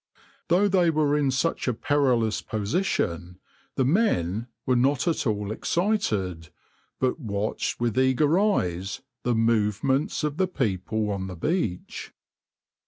Though they were in such a perilous position, the men were not at all excited, but watched with eager eyes the movements of the people on the beach.